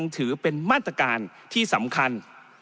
ถือเป็นมาตรการที่สำคัญ